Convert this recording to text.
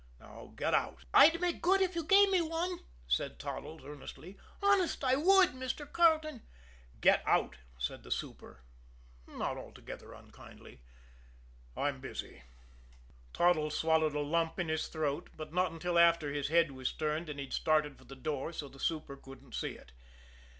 Now, get out!" "I'd make good if you gave me one," said Toddles earnestly. "Honest, I would, Mr. Carleton." "Get out!" said the super, not altogether unkindly. "I'm busy." Toddles swallowed a lump in his throat but not until after his head was turned and he'd started for the door so the super couldn't see it.